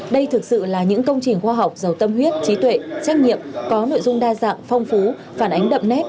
đây thực sự là những công trình khoa học giàu tâm huyết trí tuệ trách nhiệm có nội dung đa dạng phong phú phản ánh đậm nét